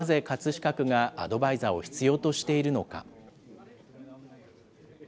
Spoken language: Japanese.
なぜ葛飾区がアドバイザーを必要としているのか。